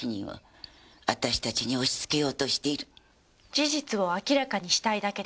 事実を明らかにしたいだけです。